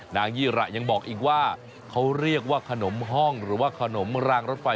ยี่ระยังบอกอีกว่าเขาเรียกว่าขนมห้องหรือว่าขนมรางรถไฟ